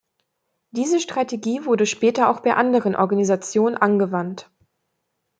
Diese Strategie wurde später auch bei anderen Organisationen angewandt.